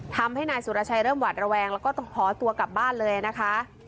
ทำให้นายสุรชัยเริ่มหวาดระแวงแล้วก็หอตัวกลับบ้านเลยนะคะ